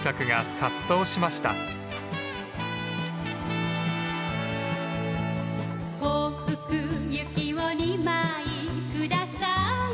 「幸福行きを二枚ください」